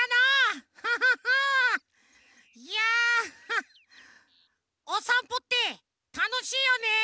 いやハッおさんぽってたのしいよね！